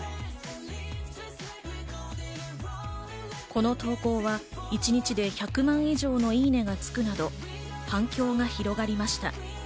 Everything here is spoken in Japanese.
この投稿は一日で１００万以上の「いいね」がつくなど反響が広がりました。